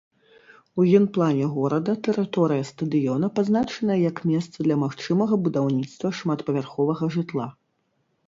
У генплане горада тэрыторыя стадыёна пазначаная як месца для магчымага будаўніцтва шматпавярховага жытла.